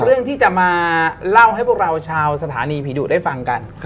เรื่องที่จะมาเล่าให้พวกเราชาวสถานีผีดุได้ฟังกัน